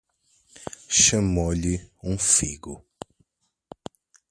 Chamou-lhe um figo.